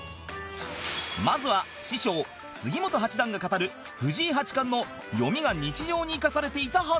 まずは師匠杉本八段が語る藤井八冠の読みが日常に生かされていた話